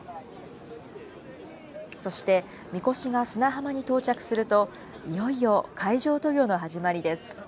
そして、みこしが砂浜に到着すると、いよいよ海上渡御の始まりです。